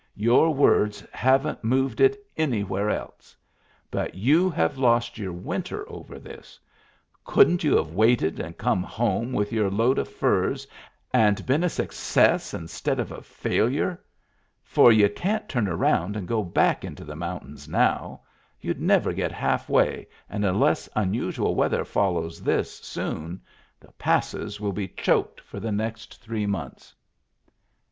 Your words haven't moved it anywhere else. But you have lost your winter over this. Couldn't you have waited and come home with your load of furs, and been a success instead of a failure? For you can't turn around and go back into the moimtains now; you'd never get halfway, and unless unusual weather follows this soon, the passes will be choked for the next three months."